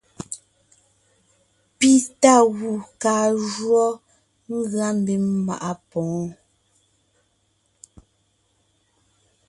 Pi tá gù kaa jǔɔ ngʉa mbím maʼa pwoon.